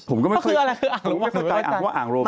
ผมก็ไม่เข้าใจว่าอ่างโรมัน